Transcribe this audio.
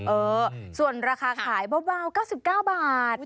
เออส่วนราคาขายเบา๙๙บาท